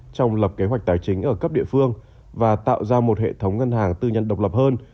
trong lập kế hoạch tài chính ở cấp địa phương và tạo ra một hệ thống ngân hàng tư nhân độc lập hơn